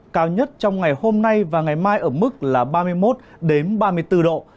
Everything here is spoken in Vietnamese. cao nhất trong ngày hôm nay và ngày mai ở mức là ba mươi một ba mươi bốn độ